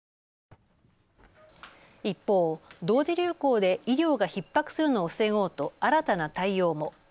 一方、同時流行で医療がひっ迫するのを防ごうと新たな対応も。